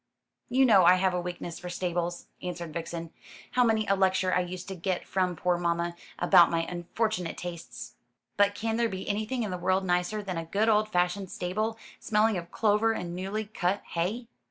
"You know I have a weakness for stables," answered Vixen. "How many a lecture I used to get from poor mamma about my unfortunate tastes. But can there be anything in the world nicer than a good old fashioned stable, smelling of clover and newly cut hay?"